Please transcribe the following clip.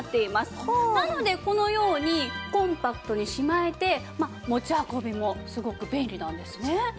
なのでこのようにコンパクトにしまえて持ち運びもすごく便利なんですね。